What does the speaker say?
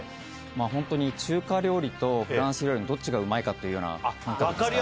ホントに中華料理とフランス料理のどっちがうまいかというような感覚ですから。